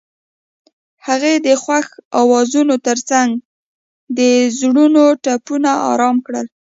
هغې د خوښ اوازونو ترڅنګ د زړونو ټپونه آرام کړل.